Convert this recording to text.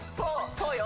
そうよ。